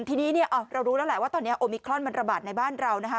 ทีนี้เนี่ยเรารู้แล้วแหละว่าตอนนี้โอมิครอนมันระบาดในบ้านเรานะคะ